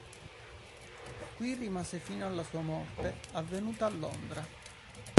Qui rimase fino alla sua morte, avvenuta a Londra.